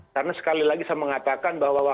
karena sekali lagi saya mengatakan bahwa